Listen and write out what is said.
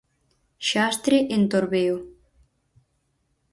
Xastre en Torbeo.